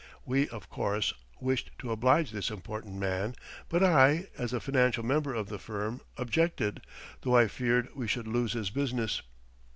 We, of course, wished to oblige this important man, but I, as the financial member of the firm, objected, though I feared we should lose his business.